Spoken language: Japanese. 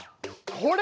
これ！